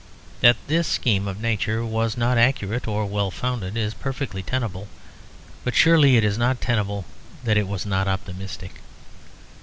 That this scheme of Nature was not accurate or well founded is perfectly tenable, but surely it is not tenable that it was not optimistic.